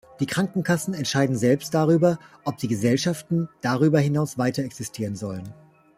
Die Krankenkassen entscheiden selbst darüber, ob die Gesellschaften darüber hinaus weiter existieren sollen.